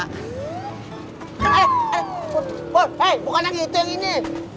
hey bukan lagi itu yang ini